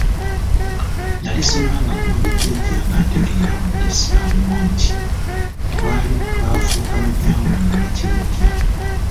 Nnali sivangako wali jjajja nga ntegeera wadde essaawa emu eti, twali twafuuka Majangwa na Nakirijja.